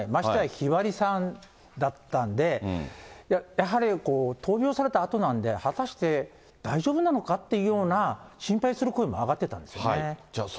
ましてやひばりさんだったんで、やはり闘病されたあとなんで、果たして、大丈夫なのかっていうような、心配する声も上がってたんですよね。